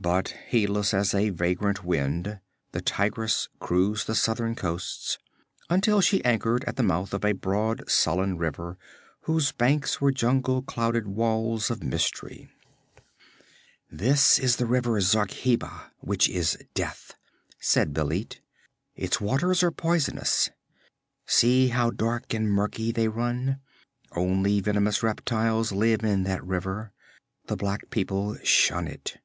But heedless as a vagrant wind, the Tigress cruised the southern coasts, until she anchored at the mouth of a broad sullen river, whose banks were jungle clouded walls of mystery. 'This is the river Zarkheba, which is Death,' said Bêlit. 'Its waters are poisonous. See how dark and murky they run? Only venomous reptiles live in that river. The black people shun it.